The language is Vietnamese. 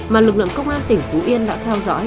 mà lực lượng công an tỉnh phú yên đã theo dõi